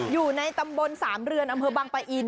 อยู่ในตำบลสามเรือนอำเภอบังปะอิน